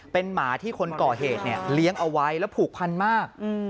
เป็นหมาที่คนก่อเหตุเลี้ยงเอาไว้แล้วผูกพันมาก